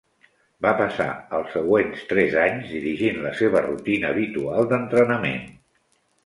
Va passar els següents tres anys dirigint la seva rutina habitual d'entrenament.